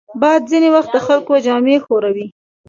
باد ځینې وخت د خلکو جامې ښوروي